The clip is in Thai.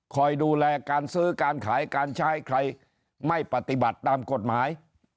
คอยดูแลการซื้อการขายการใช้ใครไม่ปฏิบัติตามกฎหมาย